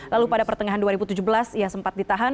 lalu pada pertengahan dua ribu tujuh belas ia sempat ditahan